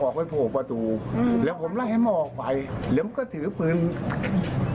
กลับไปแล้วแปลวเบียดที่อยู่บั่นใด